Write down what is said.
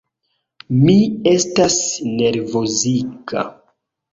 Mi estas nervoziga.